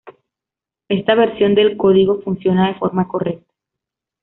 Esta versión del código funciona de forma correcta.